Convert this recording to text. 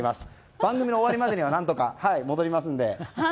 番組の終わりまでには何とか戻りますので。